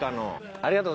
ありがとう。